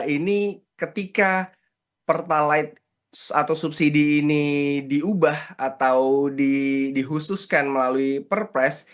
ini ketika pertalite atau subsidi ini diubah atau dikhususkan melalui perpres